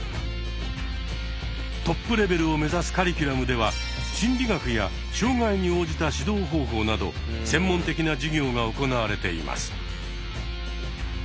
トップレベルをめざすカリキュラムでは心理学や障害に応じた指導方法など専門的な授業が行われています。